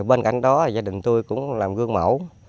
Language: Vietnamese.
bên cạnh đó gia đình tôi cũng làm gương mẫu